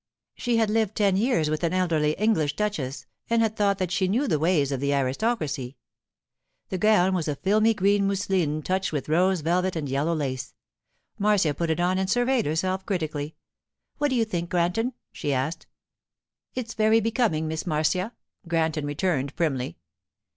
She had lived ten years with an elderly English duchess, and had thought that she knew the ways of the aristocracy. The gown was a filmy green mousseline touched with rose velvet and yellow lace. Marcia put it on and surveyed herself critically. 'What do you think, Granton?' she asked. 'It's very becoming, Miss Marcia,' Granton returned primly.